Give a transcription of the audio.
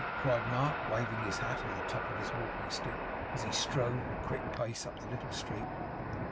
cried Mark, waving his hat on the top of his walking stick, as he strode at a quick pace up the little street.